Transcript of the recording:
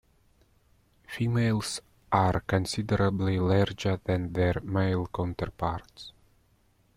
Females are considerably larger than their male counterparts.